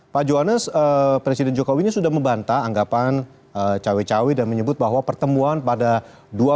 pak joanes presiden jokowi ini sudah membanta anggapan cawe cawe dan menyebut bahwa pertemuan pada bulan